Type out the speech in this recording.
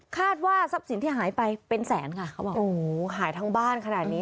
คาดว่าทรัพย์สินที่หายไปเป็นแสนค่ะเขาบอกโอ้โหหายทั้งบ้านขนาดนี้